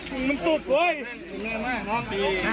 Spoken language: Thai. ดูสิคะแต่ละคนกอดคอกันหลั่นน้ำตา